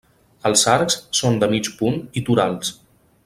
Els arcs són de mig punt i torals.